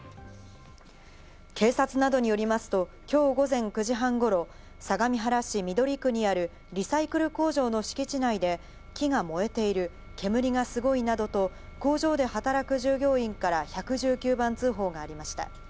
警察などによりますと、きょう午前９時半ごろ、相模原市緑区にあるリサイクル工場の敷地内で木が燃えている、煙がすごいなどと、工場で働く従業員から１１９番通報がありました。